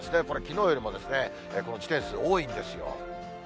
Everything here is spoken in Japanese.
これ、きのうよりもですね、この地点数、多いんですよ。